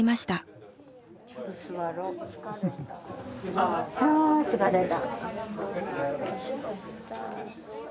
あ疲れた。